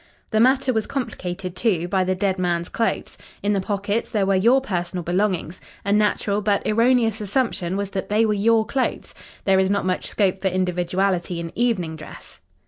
"The matter was complicated, too, by the dead man's clothes. In the pockets, there were your personal belongings. A natural, but erroneous assumption was that they were your clothes. There is not much scope for individuality in evening dress.